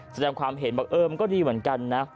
แสดงความเห็นบอกเออมันก็ดีเหมือนกันนะ